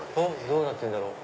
どうなってんだろう？